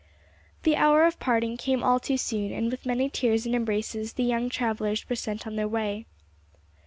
The hour of parting came all too soon, and with many tears and embraces the young travellers were sent on their way.